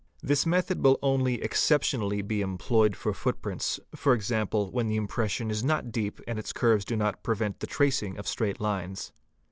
: This method will only exceptionally be employed for footprints, e.g., when the impression is not deep and its curves do not prevent the tracing of straight lines.